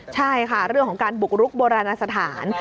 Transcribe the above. ใช่ค่ะเรื่องของการบุกรุกโบราณสถาน